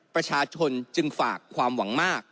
ประชาชนจึงฝากความหวังมาก